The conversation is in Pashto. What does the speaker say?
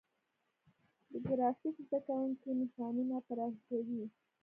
د ګرافیک زده کوونکي نشانونه طراحي کوي.